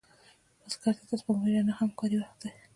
بزګر ته د سپوږمۍ رڼا هم کاري وخت دی